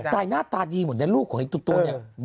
แต่หน้าตาดีหมดเนี่ยลูกของไอ้ตุนตุนเนี่ย